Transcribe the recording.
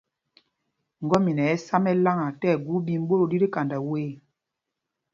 Ŋgɔ́mina ɛ́ ɛ́ sá mɛláŋa tí ɛgu ɓīm ɓot o ɗi tí kanda ê.